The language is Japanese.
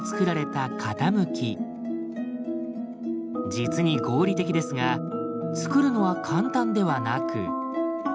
実に合理的ですがつくるのは簡単ではなく。